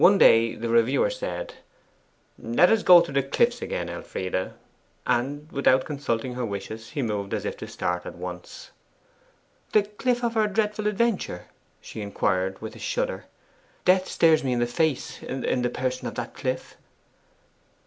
One day the reviewer said, 'Let us go to the cliffs again, Elfride;' and, without consulting her wishes, he moved as if to start at once. 'The cliff of our dreadful adventure?' she inquired, with a shudder. 'Death stares me in the face in the person of that cliff.